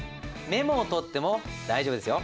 メモを取っても大丈夫ですよ。